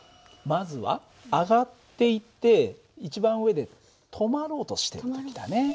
まずは上がっていって一番上で止まろうとしてる時だね。